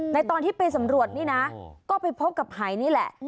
ตอนที่ไปสำรวจนี่นะก็ไปพบกับหายนี่แหละ